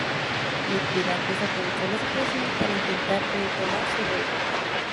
Mitrídates aprovechó la situación para intentar retomar su reino.